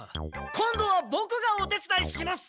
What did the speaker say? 今度はボクがお手つだいします。